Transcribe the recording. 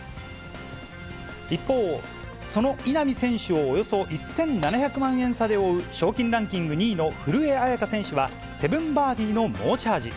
一方、その稲見選手をおよそ１７００万円差で追う賞金ランキング２位の古江彩佳選手は、７バーディーの猛チャージ。